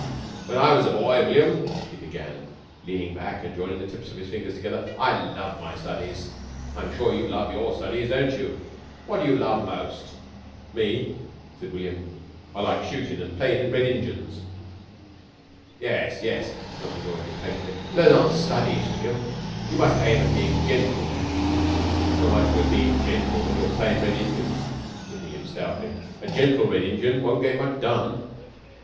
"When I was a boy, William," he began, leaning back and joining the tips of his fingers together, "I loved my studies. I'm sure you love your studies, don't you? Which do you love most?" "Me?" said William. "I like shootin' and playin' Red Injuns." "Yes, yes," said Uncle George impatiently, "but those aren't studies, William. You must aim at being gentle." "It's not much good bein' gentle when you're playin' Red Injuns," said William stoutly. "A gentle Red Injun wun't get much done."